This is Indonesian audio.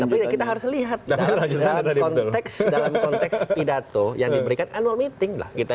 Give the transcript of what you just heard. tapi kita harus lihat dalam konteks pidato yang diberikan annual meeting lah